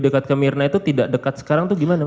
dekat ke mirna itu tidak dekat sekarang itu gimana